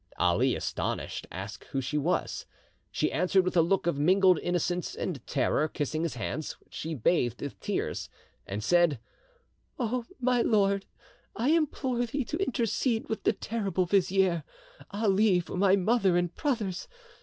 Ali, astonished, asked who she was. She answered with a look of mingled innocence and terror, kissing his hands, which she bathed with tears, and said: "O my lord! I implore thee to intercede with the terrible vizier Ali for my mother and brothers.